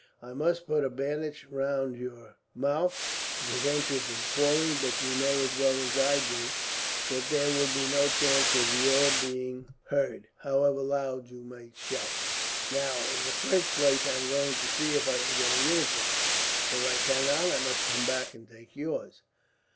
I must put a bandage round your mouth, to prevent you from calling; but you know as well as I do that there would be no chance of your being heard, however loud you might shout. "Now, in the first place I am going to see if I can get a uniform. If I cannot, I must come back and take yours."